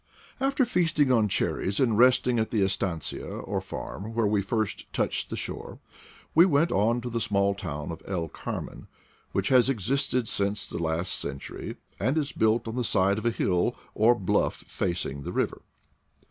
After feasting on cherries, and resting at the estancia, or farm, where we first touched the shore, we went on to the small town of El Carmen, which HOW I BECAME AN IDLEE 21 has existed since the last century, and is built on the side of a hill, or bluff, facing the river.